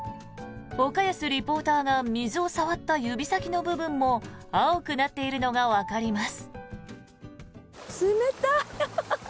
岡安リポーターが水を触った指先の部分も青くなっているのがわかります。